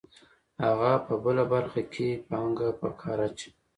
هغه په بله برخه کې پانګه په کار اچوي